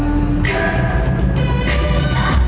มึงง่วง